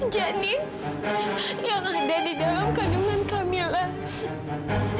janin yang ada di dalam kandungan camillah